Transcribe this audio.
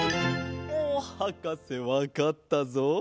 はかせわかったぞ。